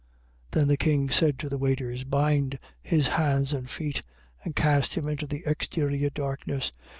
22:13. Then the king said to the waiters: Bind his hands and feet, and cast him into the exterior darkness.